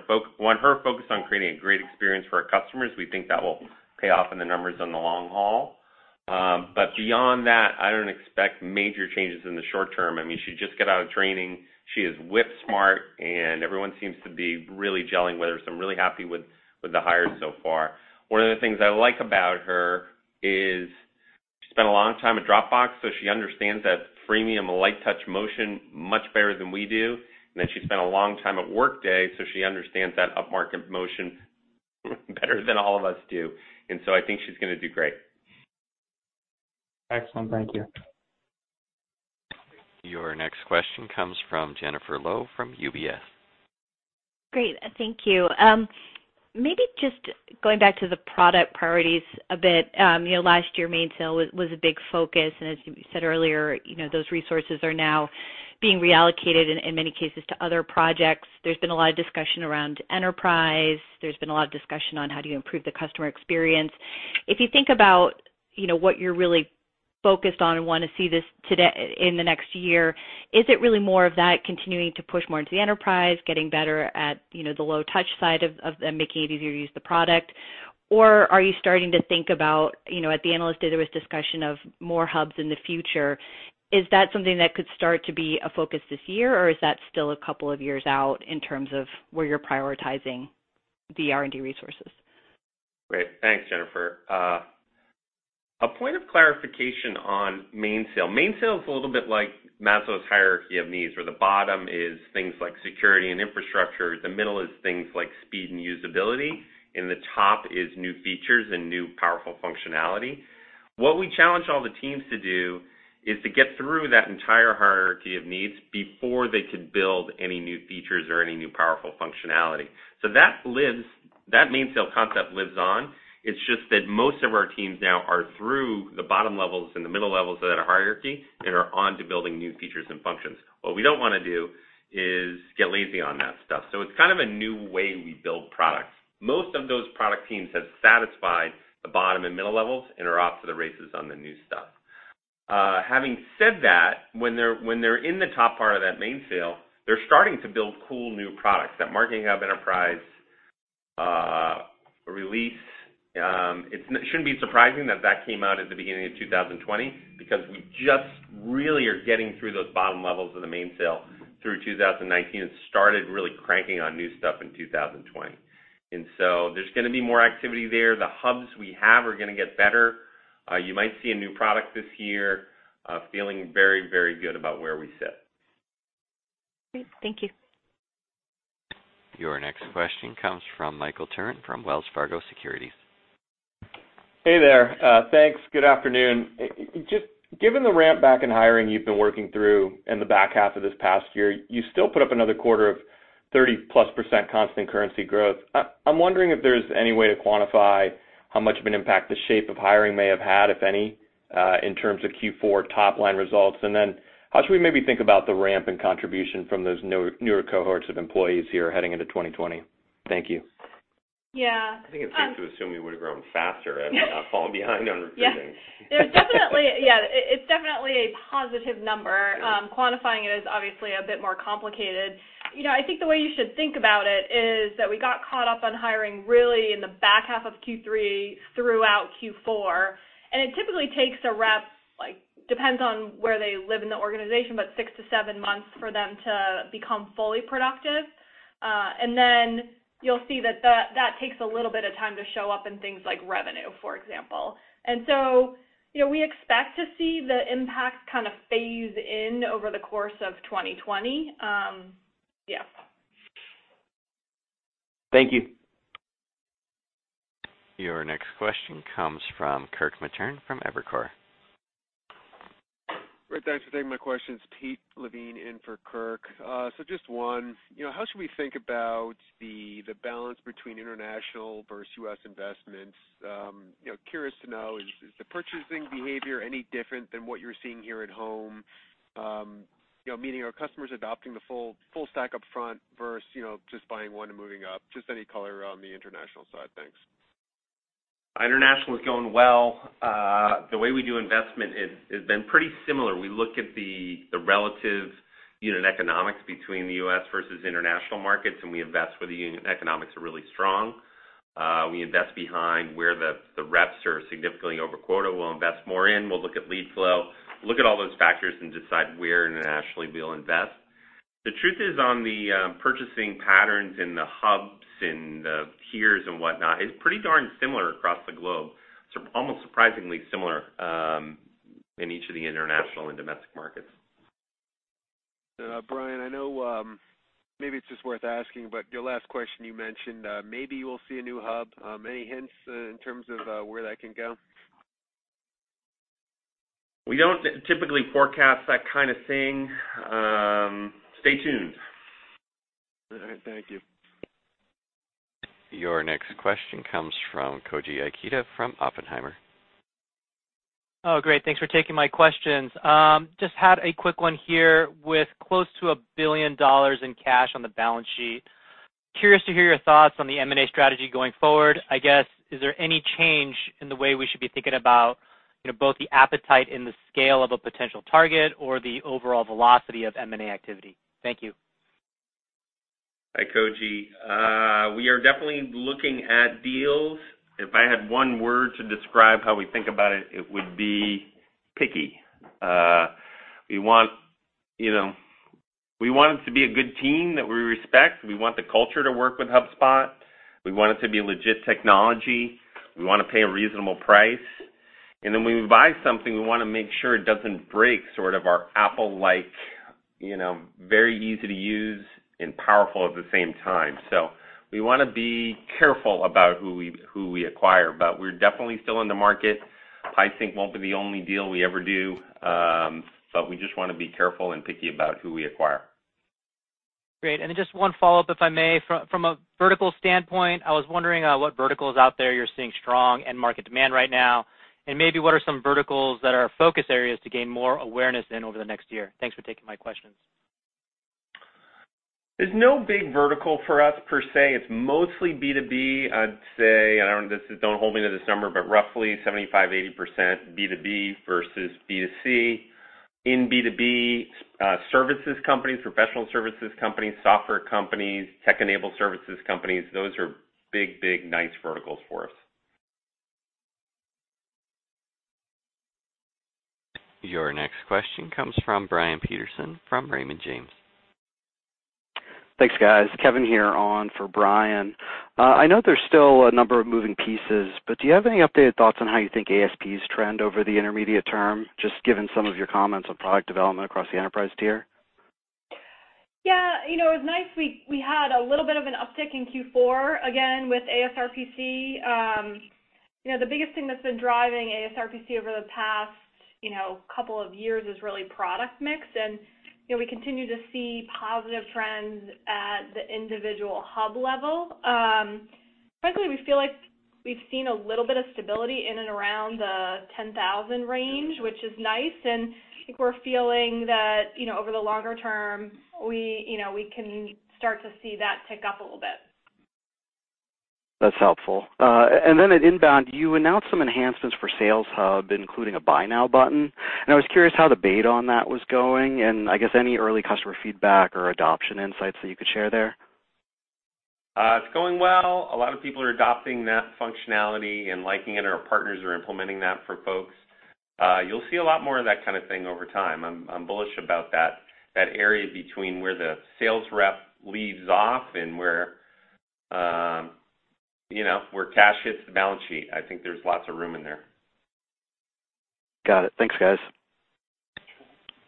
her focused on creating a great experience for our customers. We think that will pay off in the numbers in the long haul. Beyond that, I don't expect major changes in the short term. She just got out of training. She is whip-smart, and everyone seems to be really gelling with her, so I'm really happy with the hire so far. One of the things I like about her is she spent a long time at Dropbox, so she understands that freemium, light touch motion much better than we do. She spent a long time at Workday, so she understands that up-market motion better than all of us do. I think she's going to do great. Excellent. Thank you. Your next question comes from Jennifer Lowe from UBS. Great. Thank you. Maybe just going back to the product priorities a bit. Last year, Mainsail was a big focus. As you said earlier, those resources are now being reallocated in many cases to other projects. There's been a lot of discussion around Enterprise. There's been a lot of discussion on how do you improve the customer experience. If you think about what you're really focused on and want to see in the next year, is it really more of that continuing to push more into the Enterprise, getting better at the low touch side of making it easier to use the product? Are you starting to think about, at the analyst day, there was discussion of more hubs in the future. Is that something that could start to be a focus this year, or is that still a couple of years out in terms of where you're prioritizing the R&D resources? Great. Thanks, Jennifer. A point of clarification on Mainsail. Mainsail's a little bit like Maslow's hierarchy of needs, where the bottom is things like security and infrastructure, the middle is things like speed and usability, and the top is new features and new powerful functionality. What we challenge all the teams to do is to get through that entire hierarchy of needs before they could build any new features or any new powerful functionality. That Mainsail concept lives on. It's just that most of our teams now are through the bottom levels and the middle levels of that hierarchy and are onto building new features and functions. What we don't want to do is get lazy on that stuff, so it's kind of a new way we build products. Most of those product teams have satisfied the bottom and middle levels and are off to the races on the new stuff. Having said that, when they're in the top part of that Mainsail, they're starting to build cool new products. That Marketing Hub Enterprise release, it shouldn't be surprising that that came out at the beginning of 2020 because we just really are getting through those bottom levels of the Mainsail through 2019 and started really cranking on new stuff in 2020. There's going to be more activity there. The hubs we have are going to get better. You might see a new product this year. Feeling very good about where we sit. Great. Thank you. Your next question comes from Michael Turrin from Wells Fargo Securities. Hey there. Thanks. Good afternoon. Just given the ramp back in hiring you've been working through in the back half of this past year, you still put up another quarter of 30%+ constant currency growth. I'm wondering if there's any way to quantify how much of an impact the shape of hiring may have had, if any, in terms of Q4 top-line results. How should we maybe think about the ramp in contribution from those newer cohorts of employees here heading into 2020? Thank you. Yeah. I think it's safe to assume we would've grown faster and not fallen behind on recruiting. Yeah. It's definitely a positive number. Quantifying it is obviously a bit more complicated. I think the way you should think about it is that we got caught up on hiring really in the back half of Q3 throughout Q4, and it typically takes a rep, depends on where they live in the organization, but six to seven months for them to become fully productive. Then you'll see that takes a little bit of time to show up in things like revenue, for example. So, we expect to see the impact kind of phase in over the course of 2020. Yeah. Thank you. Your next question comes from Kirk Materne from Evercore. Right. Thanks for taking my questions. Peter Levine in for Kirk. Just one, how should we think about the balance between international versus U.S. investments? Curious to know, is the purchasing behavior any different than what you're seeing here at home? Meaning, are customers adopting the full stack up front versus just buying one and moving up? Just any color on the international side. Thanks. International is going well. The way we do investment has been pretty similar. We look at the relative unit economics between the U.S. versus international markets, and we invest where the unit economics are really strong. We invest behind where the reps are significantly over quota, we'll invest more in, we'll look at lead flow, look at all those factors, and decide where internationally we'll invest. The truth is, on the purchasing patterns in the Hubs and the peers and whatnot, it's pretty darn similar across the globe. It's almost surprisingly similar in each of the international and domestic markets. Brian, I know maybe it's just worth asking, but your last question you mentioned, maybe we'll see a new hub. Any hints in terms of where that can go? We don't typically forecast that kind of thing. Stay tuned. All right. Thank you. Your next question comes from Koji Ikeda from Oppenheimer. Great. Thanks for taking my questions. Just had a quick one here. With close to $1 billion in cash on the balance sheet, curious to hear your thoughts on the M&A strategy going forward. I guess, is there any change in the way we should be thinking about both the appetite and the scale of a potential target or the overall velocity of M&A activity? Thank you. Hi, Koji. We are definitely looking at deals. If I had one word to describe how we think about it would be picky. We want it to be a good team that we respect. We want the culture to work with HubSpot. We want it to be legit technology. We want to pay a reasonable price. When we buy something, we want to make sure it doesn't break sort of our Apple-like, very easy to use and powerful at the same time. We want to be careful about who we acquire, but we're definitely still in the market. I think it won't be the only deal we ever do. We just want to be careful and picky about who we acquire. Great. Then just one follow-up, if I may. From a vertical standpoint, I was wondering what verticals out there you're seeing strong in market demand right now, and maybe what are some verticals that are focus areas to gain more awareness in over the next year? Thanks for taking my questions. There's no big vertical for us, per se. It's mostly B2B. I'd say, and don't hold me to this number, but roughly 75%, 80% B2B versus B2C. In B2B, services companies, professional services companies, software companies, tech-enabled services companies, those are big nice verticals for us. Your next question comes from Brian Peterson from Raymond James. Thanks, guys. Kevin here on for Brian. I know there's still a number of moving pieces, but do you have any updated thoughts on how you think ASPs trend over the intermediate term, just given some of your comments on product development across the enterprise tier? Yeah. It was nice we had a little bit of an uptick in Q4, again, with ASRPC. The biggest thing that's been driving ASRPC over the past couple of years is really product mix, and we continue to see positive trends at the individual hub level. Frankly, we feel like we've seen a little bit of stability in and around the 10,000 range, which is nice, and I think we're feeling that over the longer term, we can start to see that tick up a little bit. That's helpful. At INBOUND, you announced some enhancements for Sales Hub, including a Buy Now button, and I was curious how debate on that was going, and I guess any early customer feedback or adoption insights that you could share there? It's going well. A lot of people are adopting that functionality and liking it, and our partners are implementing that for folks. You'll see a lot more of that kind of thing over time. I'm bullish about that area between where the sales rep leaves off and where cash hits the balance sheet. I think there's lots of room in there. Got it. Thanks, guys.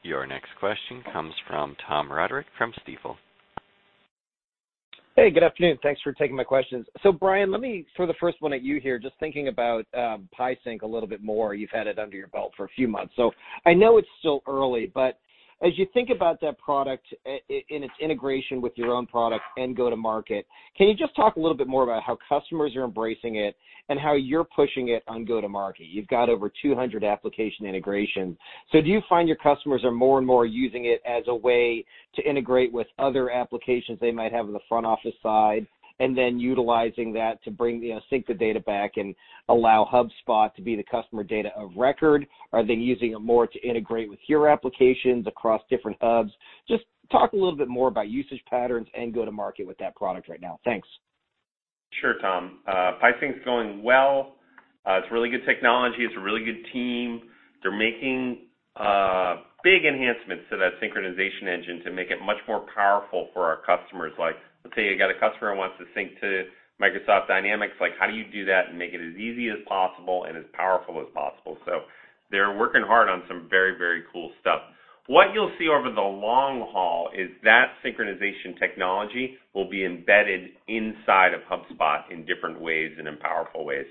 Your next question comes from Tom Roderick from Stifel. Hey, good afternoon. Thanks for taking my questions. Brian, let me throw the first one at you here, just thinking about PieSync a little bit more. You've had it under your belt for a few months. I know it's still early, but as you think about that product and its integration with your own product and go to market, can you just talk a little bit more about how customers are embracing it and how you're pushing it on go to market? You've got over 200 application integrations. Do you find your customers are more and more using it as a way to integrate with other applications they might have on the front office side, and then utilizing that to sync the data back and allow HubSpot to be the customer data of record? Are they using it more to integrate with your applications across different hubs? Just talk a little bit more about usage patterns and go to market with that product right now? Thanks. Sure, Tom. PieSync's going well. It's really good technology. It's a really good team. They're making big enhancements to that synchronization engine to make it much more powerful for our customers. Let's say you got a customer who wants to sync to Microsoft Dynamics, how do you do that and make it as easy as possible and as powerful as possible? So they're working hard on some very cool stuff. What you'll see over the long haul is that synchronization technology will be embedded inside of HubSpot in different ways and in powerful ways.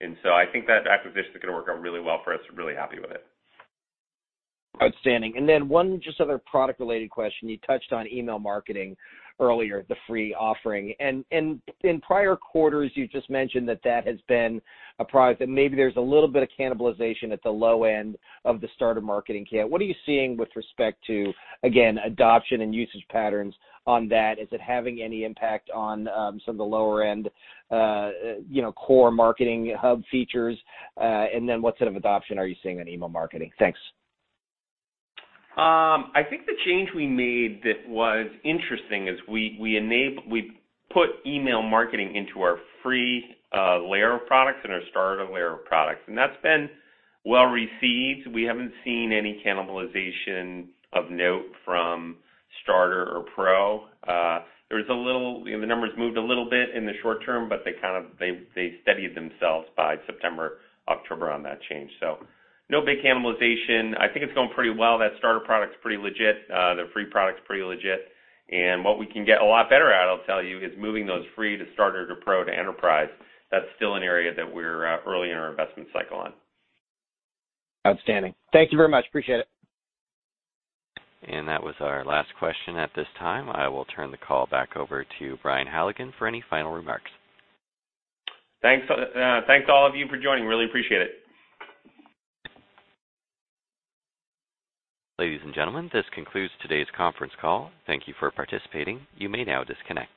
And so I think that acquisition is going to work out really well for us. Really happy with it. Outstanding. One just other product-related question. You touched on email marketing earlier, the free offering. In prior quarters, you just mentioned that that has been a product that maybe there's a little bit of cannibalization at the low end of the starter Marketing Hub. What are you seeing with respect to, again, adoption and usage patterns on that? Is it having any impact on some of the lower-end core Marketing Hub features? What sort of adoption are you seeing on email marketing? Thanks. I think the change we made that was interesting is we put email marketing into our free layer of products and our Starter layer of products, that's been well-received. We haven't seen any cannibalization of note from Starter or Pro. The numbers moved a little bit in the short term, they steadied themselves by September, October on that change. No big cannibalization. I think it's going pretty well. That Starter product's pretty legit. The free product's pretty legit. What we can get a lot better at, I'll tell you, is moving those free to Starter to Pro to Enterprise. That's still an area that we're early in our investment cycle on. Outstanding. Thank you very much. Appreciate it. That was our last question at this time. I will turn the call back over to Brian Halligan for any final remarks. Thanks, all of you, for joining. Really appreciate it. Ladies and gentlemen, this concludes today's conference call. Thank you for participating. You may now disconnect.